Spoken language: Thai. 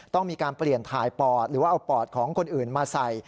ต้องมีการเปลี่ยนถ่ายปอดหรือว่าเอาปอดของคนอื่นมาใส่